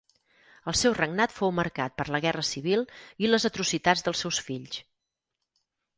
El seu regnat fou marcat per la guerra civil i les atrocitats dels seus fills.